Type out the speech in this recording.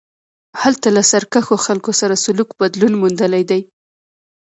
هلته له سرکښو خلکو سره سلوک بدلون موندلی دی.